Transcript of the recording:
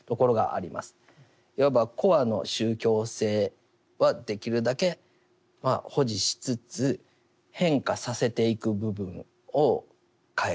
いわばコアの宗教性はできるだけ保持しつつ変化させていく部分を変えていくというところですよね。